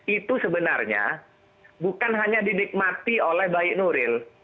itu sebenarnya bukan hanya dinikmati oleh baik nuril